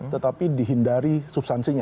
tetapi dihindari substansinya